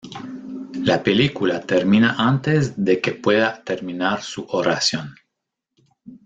La película termina antes de que pueda terminar su oración.